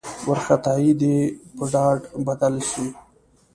وارخطايي دې په ډاډ بدله شي.